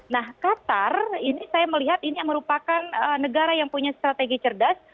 nah qatar ini saya melihat ini merupakan negara yang punya strategi cerdas